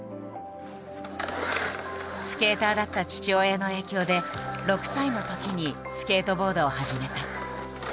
スケーターだった父親の影響で６歳のときにスケートボードを始めた。